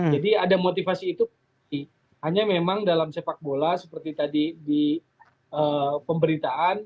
jadi ada motivasi itu hanya memang dalam sepak bola seperti tadi di pemberitaan